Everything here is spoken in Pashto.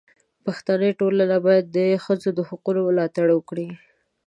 پښتني ټولنه باید د ښځو د حقونو ملاتړ وکړي.